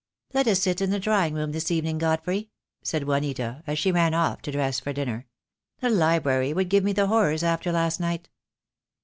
"Let us sit in the drawing room this evening, God frey," said Juanita, as she ran off to dress for dinner. "The library would give me the horrors after last night."